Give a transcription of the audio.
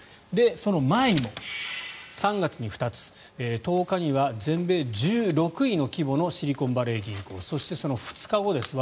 その前にも３月に２つ１０日には全米１６位の規模のシリコンバレー銀行そして、わずかその２日後です。